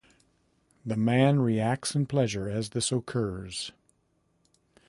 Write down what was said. The man reacts in pleasure as this occurs.